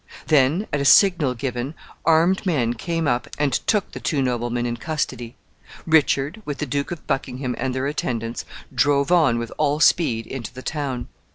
Then, at a signal given, armed men came up and took the two noblemen in custody. Richard, with the Duke of Buckingham and their attendants, drove on with all speed into the town.